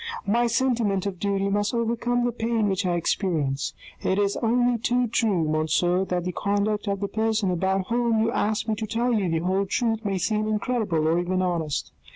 My sentiment of duty must overcome the pain which I experience. It is only too true, monsieur, that the conduct of the person about whom you ask me to tell you the whole truth may seem incredible or even honest.